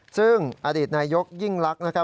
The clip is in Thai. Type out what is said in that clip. ซึ่งอดีตนายกยิ่งลักษณ์นะครับ